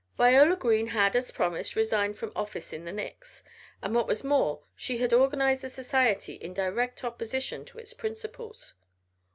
Viola Green had, as promised, resigned from office in the Nicks, and what was more she had organized a society in direct opposition to its principles.